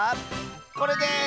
これです！